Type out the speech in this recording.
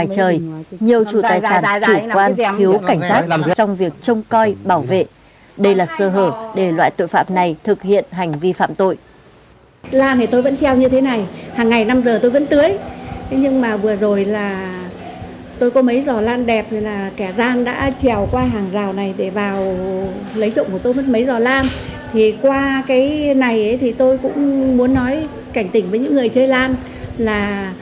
tôi muốn nói cảnh tỉnh với những người chơi lan là